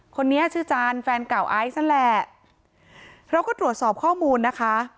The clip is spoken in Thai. คนนี้ชื่อจานแฟนเก่าไอซ์นั่นแหละเราก็ตรวจสอบข้อมูลนะคะ